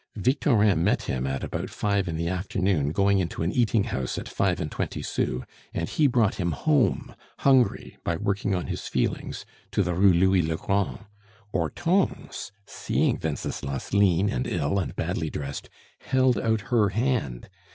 Victorin met him at about five in the afternoon going into an eating house at five and twenty sous, and he brought him home, hungry, by working on his feelings, to the Rue Louis le Grand. Hortense, seeing Wenceslas lean and ill and badly dressed, held out her hand.